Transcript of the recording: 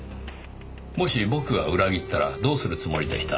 もし僕が裏切ったらどうするつもりでした？